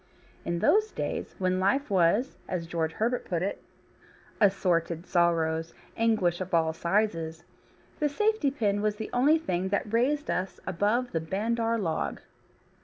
In those days when life was (as George Herbert puts it) "assorted sorrows, anguish of all sizes," the safety pin was the only thing that raised us above the bandar log.